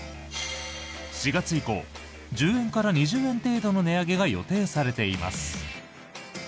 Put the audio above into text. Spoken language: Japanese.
４月以降１０円から２０円程度の値上げが予定されています。